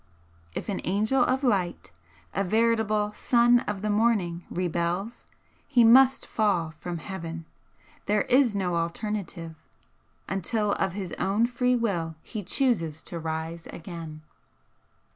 If an angel of light, a veritable 'Son of the Morning' rebels, he must fall from Heaven. There is no alternative; until of his own free will he chooses to rise again.